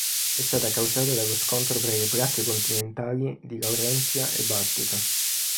È stata causata dallo scontro tra le placche continentali di Laurentia e Baltica.